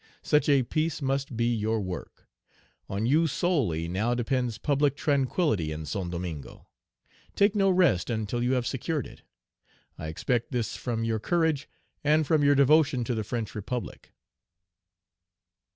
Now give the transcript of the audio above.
Such a peace must be your work. On you solely now depends public tranquillity in Saint Domingo. Take no rest until you have secured it. I expect this from your courage and from your devotion to the French Republic."